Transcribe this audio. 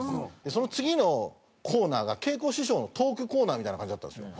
その次のコーナーが桂子師匠のトークコーナーみたいな感じだったんですよ。